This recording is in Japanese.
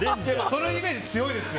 そのイメージが強いです。